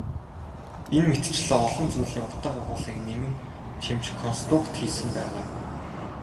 Энэ мэтчилэн олон зүйлийн утга агуулгыг нэмэн чимж консрукт хийсэн байгаа.